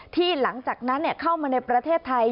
หลังจากนั้นเข้ามาในประเทศไทย